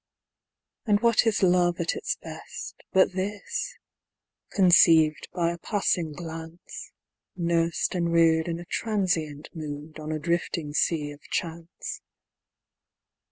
And what is love at its best, but this? Conceived by a passing glance, Nursed and reared in a transient mood, on a drifting Sea of Chance.